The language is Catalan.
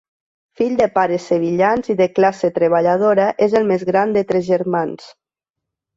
Fill de pares sevillans i de classe treballadora, és el més gran de tres germans.